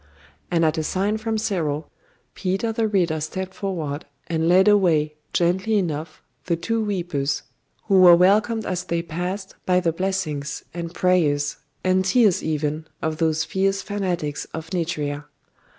And at a sign from Cyril, Peter the Reader stepped forward, and led away, gently enough, the two weepers, who were welcomed as they passed by the blessings, and prayers, and tears even of those fierce fanatics of Nitria.